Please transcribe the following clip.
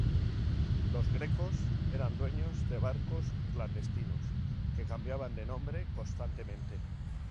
Los Greco eran dueños de barcos clandestinos que cambiaban de nombre constantemente.